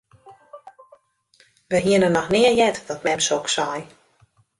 Wy hiene noch nea heard dat mem soks sei.